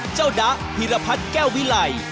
เจ้าดั๊กพิรพัฒน์แก้ววิไล